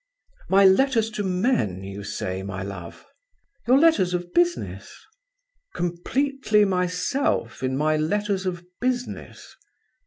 "My letters to men, you say, my love?" "Your letters of business." "Completely myself in my letters of business?"